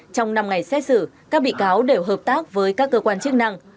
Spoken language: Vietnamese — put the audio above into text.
trong năm ngày xét xử các bị cáo đều hợp tác với các cơ quan chức năng